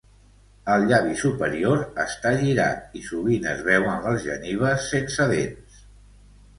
El llavi superior està girat i sovint es veuen les genives sense dents.